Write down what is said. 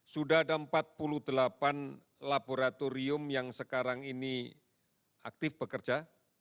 sudah ada empat puluh delapan laboratorium yang sekarang ini aktif bekerja